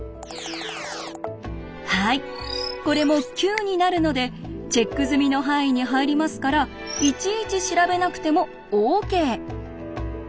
はいこれも９になるのでチェック済みの範囲に入りますからいちいち調べなくてもＯＫ。